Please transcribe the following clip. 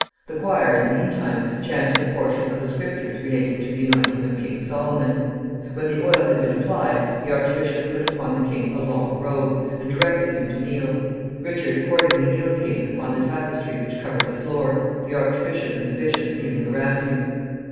The choir, in the mean time, chanted a portion of the Scriptures relating to the anointing of King Solomon. When the oil had been applied, the archbishop put upon the king a long robe, and directed him to kneel. Richard accordingly kneeled again upon the tapestry which covered the floor, the archbishop and the bishops kneeling around him.